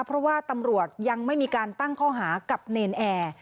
เพราะว่าตำรวจยังไม่มีการตั้งข้อหากับเนรนแอร์